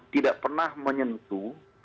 tidak pernah menyentuh